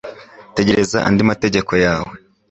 tegereza andi mategeko yawe